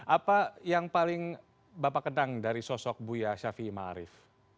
apa yang paling bapak kenang dari sosok buya shafi'i ma'arif